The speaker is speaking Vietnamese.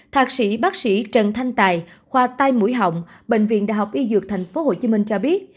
thạc sĩ bác sĩ trần thanh tài khoa tây mũi họng bệnh viện đh y dược tp hcm cho biết